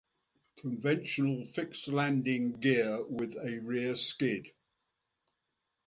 Conventional fixed landing gear, with a rear skid.